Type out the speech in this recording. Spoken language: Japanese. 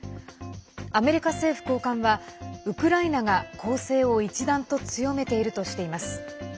アメリカ政府高官はウクライナが攻勢を一段と強めているとしています。